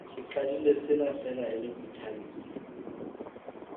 Ke qadile sena feela e le ho ithabisa.